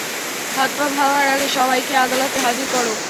হাত-পা ভাঙার আগে সবাইকে আদালতে হাজির কর?